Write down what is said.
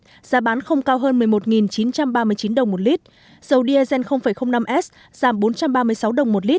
giá bán không cao hơn một mươi một chín trăm ba mươi chín đồng một lít dầu diesel năm s giảm bốn trăm ba mươi sáu đồng một lít